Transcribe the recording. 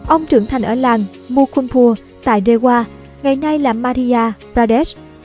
ông trưởng thành ở làng mukhumpur tại dawa ngày nay là maria pradesh